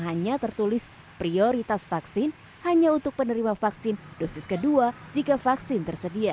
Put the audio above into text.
hanya tertulis prioritas vaksin hanya untuk penerima vaksin dosis kedua jika vaksin tersedia